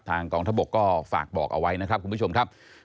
กองทบกก็ฝากบอกเอาไว้นะครับคุณผู้ชมครับ